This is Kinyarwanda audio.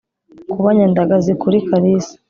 kuba nyandagazi kuri kalisa